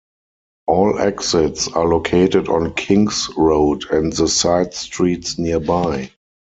All exits are located on King's Road and the side streets nearby.